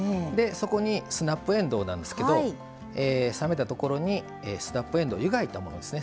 そこにスナップえんどうなんですけど冷めたところにスナップえんどうを湯がいたものですね。